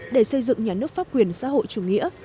để xây dựng nhà nước pháp quyền xã hội chủ nghĩa